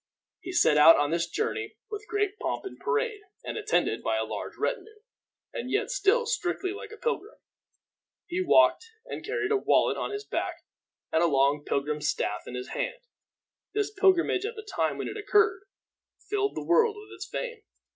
He set out on this journey with great pomp and parade, and attended by a large retinue, and yet still strictly like a pilgrim. He walked, and carried a wallet on his back, and a long pilgrim's staff in his hand. This pilgrimage, at the time when it occurred, filled the world with its fame.